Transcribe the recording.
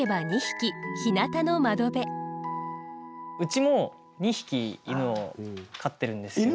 うちも２匹犬を飼ってるんですけど。